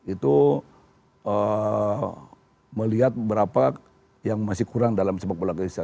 itu melihat berapa yang masih kurang dalam sepak bola ke indonesia